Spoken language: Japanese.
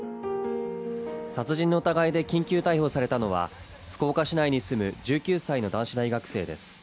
殺人の疑いで緊急逮捕されたのは福岡市内に住む１９歳の男子大学生です。